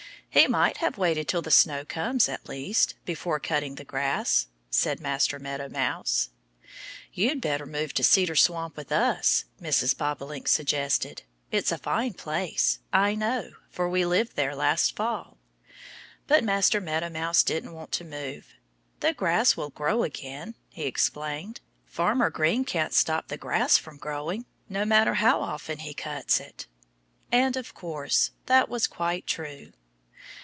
"He might have waited till the snow comes, at least, before cutting the grass," said Master Meadow Mouse. "You'd better move to Cedar Swamp with us," Mrs. Bobolink suggested. "It's a fine place. I know, for we lived there last fall." But Master Meadow Mouse didn't want to move. "The grass will grow again," he explained. "Farmer Green can't stop the grass from growing, no matter how often he cuts it." And of course that was quite true.